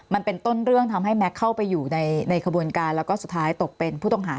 มันเป็นต้นเรื่องทำให้แม็กซ์เข้าไปอยู่ในขบวนการแล้วก็สุดท้ายตกเป็นผู้ต้องหา